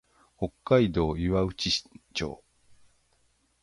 北海道岩内町